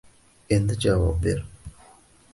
Endi javob ber